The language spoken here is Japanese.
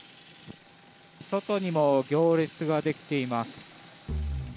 外にも行列ができています。